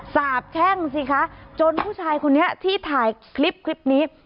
สาบแช่งสิคะจนผู้ชายคนนี้ที่ถ่ายคลิปคลิปนี้